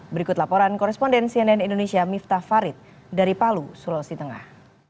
berikut laporan koresponden cnn indonesia miftah farid dari palu sulawesi tengah